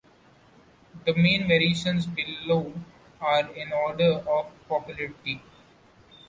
The main variations below are in order of popularity.